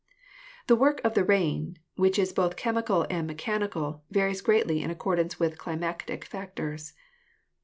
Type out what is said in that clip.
The work of the rain, which is both chemical and me chanical, varies greatly in accordance with climatic factors.